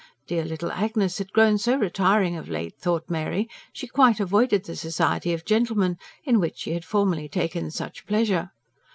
Dear little Agnes had grown so retiring of late, thought Mary; she quite avoided the society of gentlemen, in which she had formerly taken such pleasure.